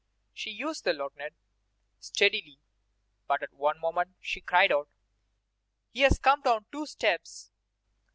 She used the lorgnette steadily, but at one moment she cried out: "He has come down two steps!"